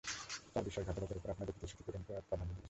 তার বিশ্বাসঘাতকতার উপর আপনাদের প্রতিশ্রুতি পূরণকে প্রাধান্য দিয়েছি।